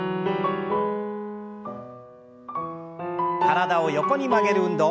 体を横に曲げる運動。